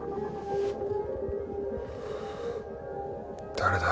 誰だ？